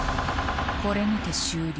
これにて終了